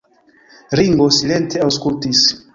Ringo silente aŭskultis.